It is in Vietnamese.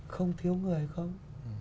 không thiếu người không